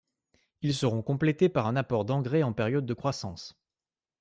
Ils seront complétés par un apport d'engrais en période de croissance.